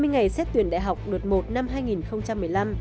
hai mươi ngày xét tuyển đại học đợt một năm hai nghìn một mươi năm